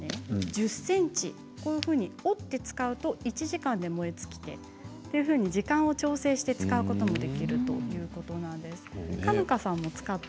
１０ｃｍに折って使うと１時間で燃え尽きてというふうに時間を調整して使うことができるということです。